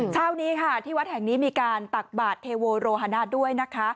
เช้านี้ค่ะที่วัดแห่งนี้มีการตักบาทเทโวโรฮนะด้วยนะคะ